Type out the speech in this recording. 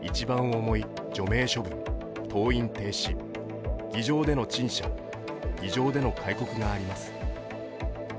重い除名処分、登院停止、議場での陳謝、議場での戒告があります。